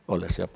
oleh siapa pun